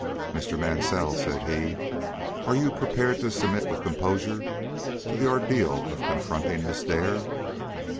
"Mr. Mansell," said he, "are you prepared to submit with composure to the ordeal of confronting Miss Dare?"